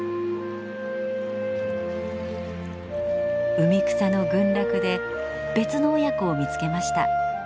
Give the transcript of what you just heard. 海草の群落で別の親子を見つけました。